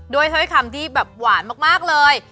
ด้วยเท่าไหร่คำที่แบบหวานมากเลย